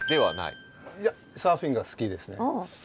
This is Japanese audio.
いやサーフィンが好きですね。